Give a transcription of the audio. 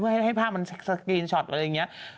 เพื่อให้ภาพมันสกรีนช็อตอะไรอย่างนี้